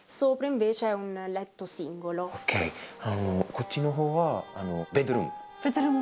こっちのほうはベッドルーム。